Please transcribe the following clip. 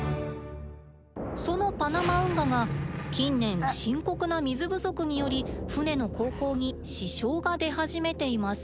そのパナマ運河が近年深刻な水不足により船の航行に支障が出始めています。